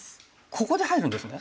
ここで入るんですね。